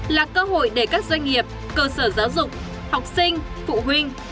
là cơ hội để các doanh nghiệp cơ sở giáo dục học sinh phụ huynh